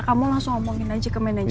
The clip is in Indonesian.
kamu langsung omongin aja ke manajemen